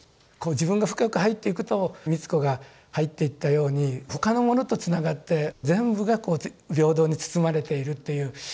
こう自分が深く入っていくと美津子が入っていったように他の者とつながって全部がこう平等に包まれているという。